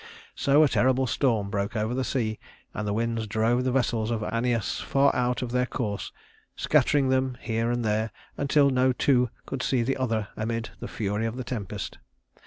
So a terrible storm broke over the sea, and the winds drove the vessels of Æneas far out of their course, scattering them here and there, until no two could see each other amid the fury of the tempest.